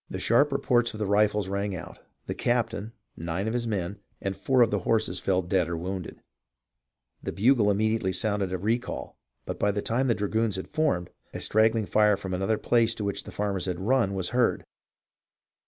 The sharp reports of the rifles rang out ; the captain, nine of his men, and four of his horses fell dead or wounded. The bugle immediately sounded a recall, but by the time the dragoons had formed, a straggling fire from another place to which the farmers had run was heard.